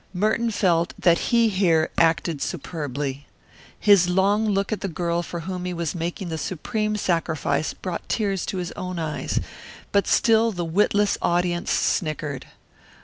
Merton felt that he here acted superbly. His long look at the girl for whom he was making the supreme sacrifice brought tears to his own eyes, but still the witless audience snickered.